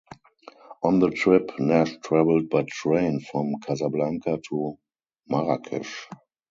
On the trip, Nash traveled by train from Casablanca to Marrakesh.